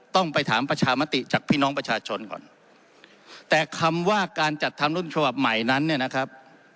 ต้องไปถามประชามติจากพี่น้องประชาชนก่อนแต่คำว่าการจัดทำรุ่นฉบับใหม่นั้นเนี่ยนะครับ